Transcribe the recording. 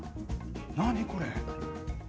何これ？